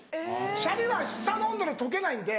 シャリは舌の温度で溶けないんで。